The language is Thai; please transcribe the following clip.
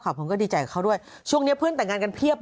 ผมก็ดีใจกับเขาด้วยช่วงนี้เพื่อนแต่งงานกันเพียบเลย